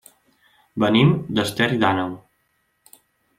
Venim d'Esterri d'Àneu.